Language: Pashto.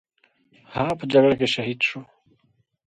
هغه په جګړه کې شهید شو.